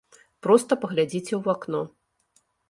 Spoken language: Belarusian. Проста паглядзіце ў вакно.